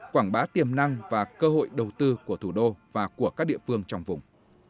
quảng bá tiềm năng và cơ hội đầu tư của thủ đô và của các địa phương trong vùng